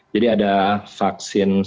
jadi ada vaksin sering